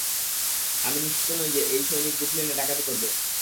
আমি নিশ্চিত নই যে এই সৈনিক ব্রুকলিনে ডাকাতি করবে।